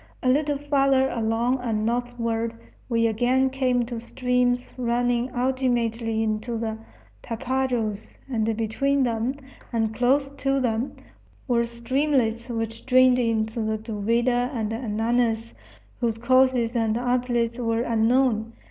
A little farther along and northward we again came to streams running ultimately into the Tapajos; and between them, and close to them, were streamlets which drained into the Duvida and Ananas, whose courses and outlets were unknown.